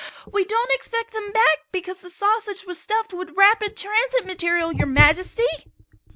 We don't expect them back, because the sausage was stuffed with rapid transit material, Your Majesty!"